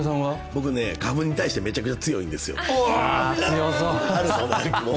僕、花粉に対してめちゃくちゃ強いんですよ。